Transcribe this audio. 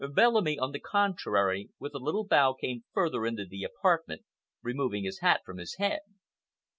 Bellamy, on the contrary, with a little bow came further into the apartment, removing his hat from his head.